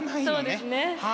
そうですね。